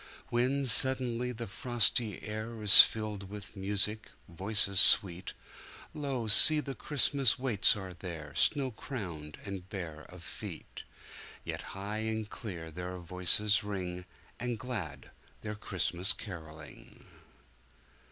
When suddenly the frosty air Is filled with music, voices sweet, Lo! see the Christmas waits are there Snow crowned and bare of feet, Yet high and clear their voices ring, And glad their Christmas carolling.